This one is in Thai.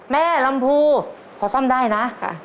ลำพูพอซ่อมได้นะ